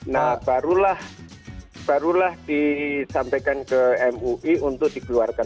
nah barulah disampaikan ke mui untuk dikeluarkan